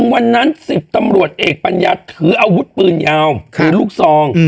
วันนั้น๑๐ตำรวจเอกปัญญาถืออาวุธปืนยาวปืนลูกซอง